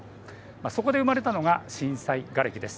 そこで生まれたのが震災がれきです。